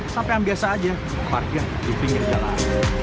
sampai yang biasa aja parkir di pinggir jalan